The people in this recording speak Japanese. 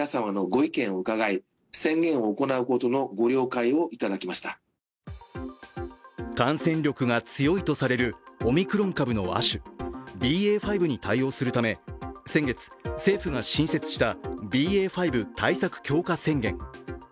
関東では感染力が強いとされるオミクロン株の亜種、ＢＡ．５に対応するため先月、政府が新設したＢＡ．５対策強化宣言。